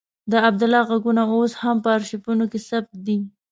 د عبدالله غږونه اوس هم په آرشیفونو کې ثبت دي.